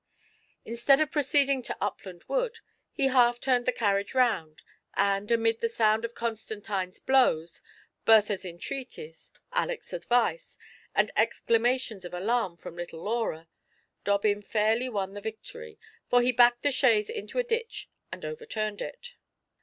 Instead of proceeding to Upland Wood, ho half turned the carriage round, and, amid the sound of Con stantine's blows. Bertha's entreaties, Aleck's advice, and exclamations of alarm from little Laura, Dobbin fairly won the victory, for he backed the chaise into a ditch and overturned it